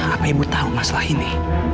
apa ibu tahu masalah ini